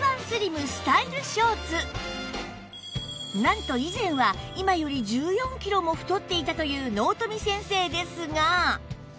なんと以前は今より１４キロも太っていたという納富先生ですが